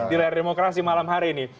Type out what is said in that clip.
di layar demokrasi malam hari ini